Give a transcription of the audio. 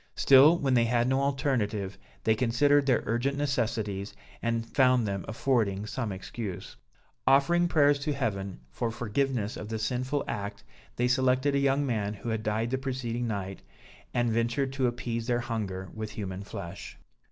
Still when they had no alternative, they considered their urgent necessities and found them affording some excuse. Offering prayers to Heaven for forgiveness of the sinful act, they selected a young man who had died the preceding night, and ventured to appease their hunger with human flesh.